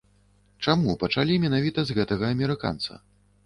Чаму пачалі менавіта з гэтага амерыканца?